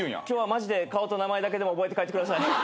今日はマジで顔と名前だけでも覚えて帰ってください。